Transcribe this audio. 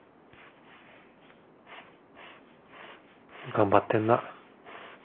頑張ってんな。